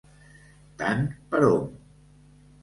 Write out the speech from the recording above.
Tant per hom.